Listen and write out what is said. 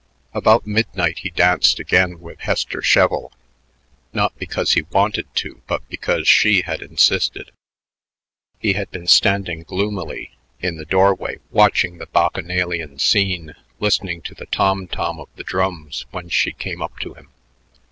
About midnight he danced again with Hester Sheville, not because he wanted to but because she had insisted. He had been standing gloomily in the doorway watching the bacchanalian scene, listening to the tom tom of the drums when she came up to him.